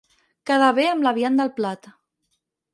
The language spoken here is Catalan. Quedar bé amb la vianda al plat.